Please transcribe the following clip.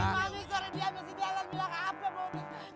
gak usah dia ambil sedialan bilang apa mau bintang